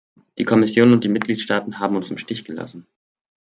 Die Kommission und die Mitgliedstaaten haben uns im Stich gelassen.